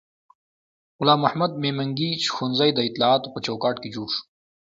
غلام محمد میمنګي ښوونځی د اطلاعاتو په چوکاټ کې جوړ شو.